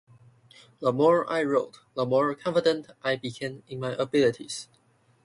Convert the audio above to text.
The more I wrote, the more confident I became in my abilities.